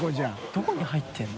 どこに入ってるの？